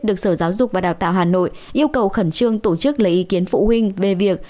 được sở giáo dục và đào tạo hà nội yêu cầu khẩn trương tổ chức lấy ý kiến phụ huynh về việc